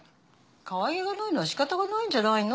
かわいげがないのはしかたがないんじゃないの？